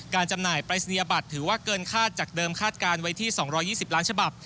จำหน่ายปรายศนียบัตรถือว่าเกินคาดจากเดิมคาดการณ์ไว้ที่๒๒๐ล้านฉบับ